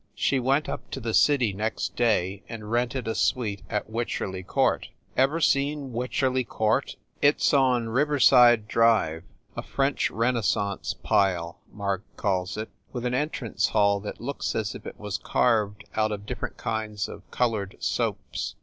She went up to the city next day and rented a suite at Wycherley Court. Ever seen Wycherley Court? It s on Riverside 220 FIND THE WOMAN Drive a French Renaissance pile, Marg calls it with an entrance hall that looks as if it was carved out of different kinds of colored soaps.